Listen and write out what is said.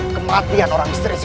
kematian orang istri saya